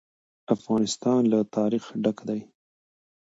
افغانستان له تاریخ ډک دی.